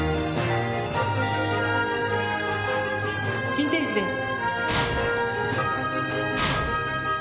心停止です。